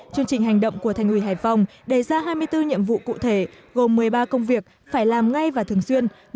chương trình hành động của thành ủy hải phòng đề ra hai mươi bốn nhiệm vụ cụ thể gồm một mươi ba công việc phải làm ngay và thường xuyên